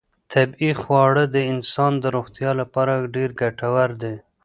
طبیعي خواړه د انسان د روغتیا لپاره ډېر ګټور دي.